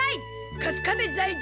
春日部在住。